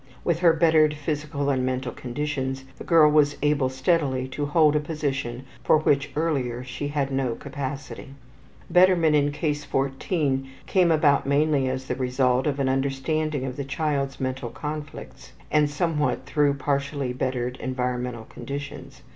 With her bettered physical and mental conditions, the girl was able steadily to hold a position for which earlier she had no capacity. Betterment in Case 14 came about mainly as the result of an understanding of the child's mental conflicts and somewhat through partially bettered environmental conditions.